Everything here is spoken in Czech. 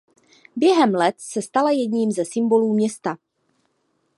Během let se stala jedním ze symbolů města.